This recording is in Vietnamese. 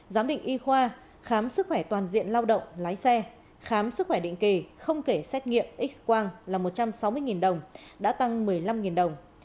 giám định y khoa khám sức khỏe toàn diện lao động lái xe khám sức khỏe định kỳ không kể xét nghiệm x quang là một trăm sáu mươi đồng đã tăng một mươi năm đồng